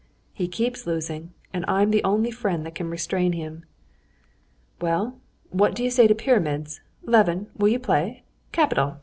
"He keeps losing, and I'm the only friend that can restrain him." "Well, what do you say to pyramids? Levin, will you play? Capital!"